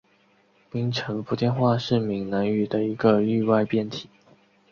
槟城福建话是闽南语的一个域外变体。